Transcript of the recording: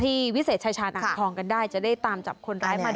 วิเศษชายชาญอ่างทองกันได้จะได้ตามจับคนร้ายมาได้